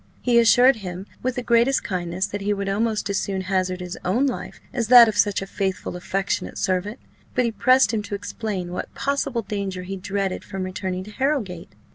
He assured him, with the greatest kindness, that he would almost as soon hazard his own life as that of such a faithful, affectionate servant; but he pressed him to explain what possible danger he dreaded from returning to Harrowgate.